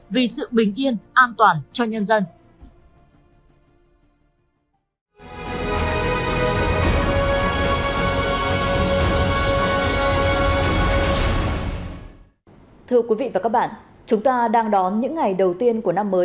vì sự bình yên an toàn cho nhân dân